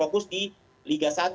fokus di liga satu